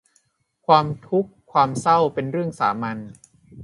ความทุกข์ความเศร้าเป็นเรื่องสามัญ